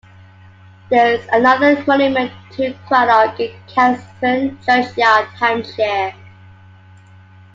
There is another monument to Cradock in Catherington churchyard, Hampshire.